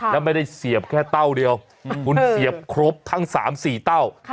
แล้วไม่ได้เสียบแค่เต้าเดียวคุณเสียบครบทั้ง๓๔เต้า